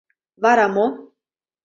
— Вара мо?..